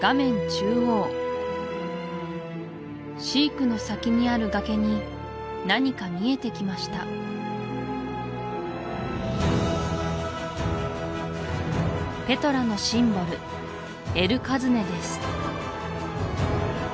中央シークの先にある崖に何か見えてきましたペトラのシンボルエル・カズネです